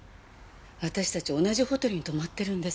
私たちは同じホテルに泊まってるんです。